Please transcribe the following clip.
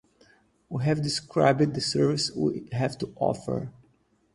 We have described the service we have to offer.